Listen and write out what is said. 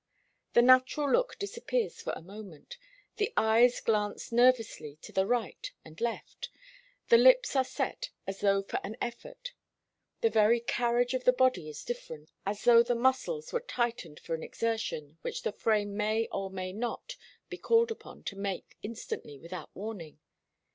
The natural look disappears for a moment; the eyes glance nervously to the right and left; the lips are set as though for an effort; the very carriage of the body is different, as though the muscles were tightened for an exertion which the frame may or may not be called upon to make instantly without warning.